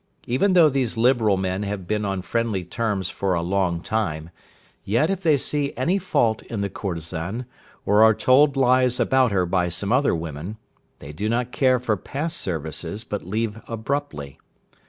Even though these liberal men have been on friendly terms for a long time, yet if they see any fault in the courtesan, or are told lies about her by some other women, they do not care for past services, but leave abruptly.